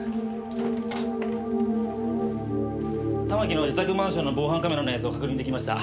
玉木の自宅マンションの防犯カメラの映像確認出来ました。